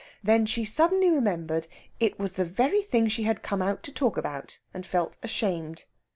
Then she suddenly remembered it was the very thing she had come out to talk about, and felt ashamed.